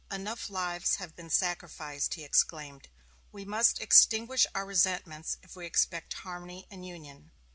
"Enough lives have been sacrificed," he exclaimed; "we must extinguish our resentments if we expect harmony and union."